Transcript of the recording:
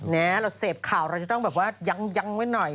เราเสพข่าวเราจะต้องแบบว่ายั้งไว้หน่อย